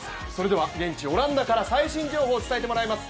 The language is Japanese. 現地オランダから最新情報を伝えてもらいます。